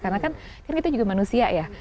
karena kan kita juga manusia ya